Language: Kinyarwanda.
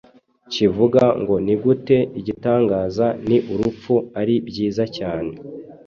kivuga ngo Nigute igitangaza ni urupfu ari byiza cyane